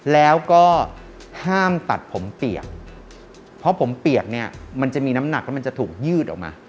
แล้วก็ห้ามตัดผมเปียกเพราะผมเปียกเนี่ยมันจะมีน้ำหนักแล้วมันจะถูกยืดออกมา